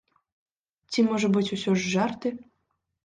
Ці, можа быць, усё ж жарты?